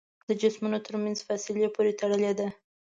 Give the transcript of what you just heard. د جسمونو تر منځ فاصلې پورې تړلې ده.